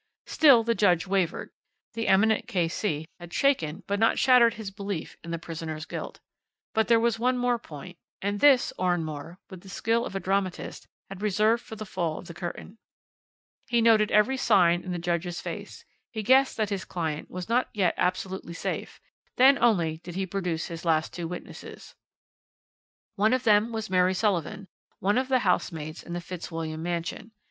"Still the judge wavered. The eminent K.C. had shaken but not shattered his belief in the prisoner's guilt. But there was one point more, and this Oranmore, with the skill of a dramatist, had reserved for the fall of the curtain. "He noted every sign in the judge's face, he guessed that his client was not yet absolutely safe, then only did he produce his last two witnesses. "One of them was Mary Sullivan, one of the housemaids in the Fitzwilliam mansion.